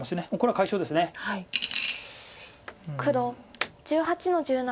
黒１８の十七。